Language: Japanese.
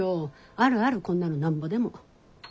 あるあるこんなのなんぼでも。